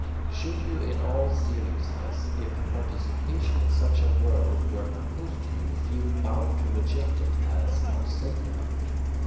Should you in all seriousness, if participation in such a world were proposed to you, feel bound to reject it as not safe enough?